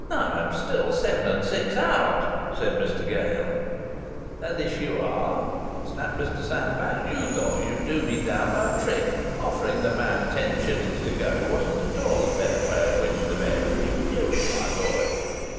"I'm still seven and six out," said Mr Gale. "And if you are!" snapped Mr Sandbach, "you thought you'd do me down by a trick. Offering the man ten shillings to go wasn't at all a fair way of winning the bet, and you knew it, my boy.